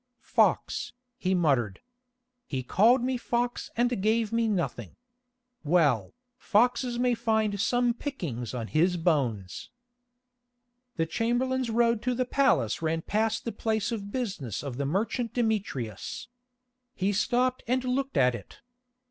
"Fox," he muttered. "He called me fox and gave me nothing. Well, foxes may find some pickings on his bones." The chamberlain's road to the palace ran past the place of business of the merchant Demetrius. He stopped and looked at it.